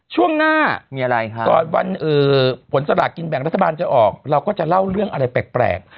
ช่วงหน้ามีอะไรฮะก่อนวันผลสลากกินแบ่งรัฐบาลจะออกเราก็จะเล่าเรื่องอะไรแปลก